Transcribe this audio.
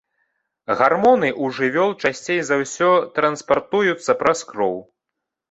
Гармоны ў жывёл часцей за ўсё транспартуюцца праз кроў.